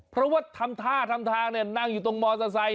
เพราะว่าทำท่าทำทางนั่งอยู่ตรงมอเตอร์ไซค